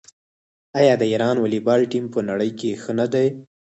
آیا د ایران والیبال ټیم په نړۍ کې ښه نه دی؟